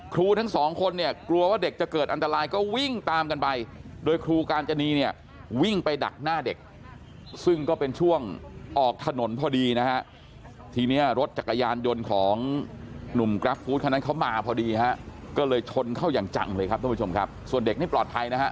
ครูทั้งสองมันกลัวเด็กเกิดอันตรายก็วิ่งตามกันไปโดยครูกาญจณีวิ่งไปดักหน้าเด็กซึ่งก็เป็นช่วงออกถนนพอดีทีรถจักรยานยนต์ของหนุ่มกรัฟฟู้ดเขานั้นเขามาพอดีก็เลยชนเข้าอย่างจังเลยครับส่วนเด็กมันปลอดภัยนะครับ